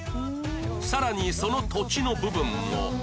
さらにその土地の部分も